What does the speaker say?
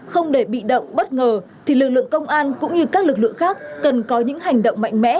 không để bị động bất ngờ thì lực lượng công an cũng như các lực lượng khác cần có những hành động mạnh mẽ